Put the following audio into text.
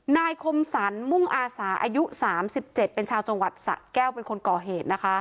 นายคมสรรมุ่งอาสาอายุ๓๗เป็นชาวจังหวัดสะแก้วเป็นคนก่อเหตุนะคะ